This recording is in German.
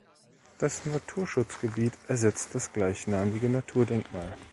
Das Naturschutzgebiet ersetzt das gleichnamige Naturdenkmal.